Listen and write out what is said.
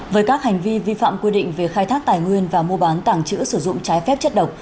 với các hành vi vi phạm quy định về khai thác tài nguyên và mua bán tàng trữ sử dụng trái phép chất độc